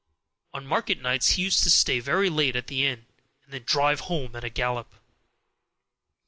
On market nights he used to stay very late at the inn, and then drive home at a gallop.